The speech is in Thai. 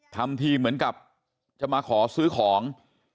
ทำทีเหมือนกับจะมาขอซื้อของ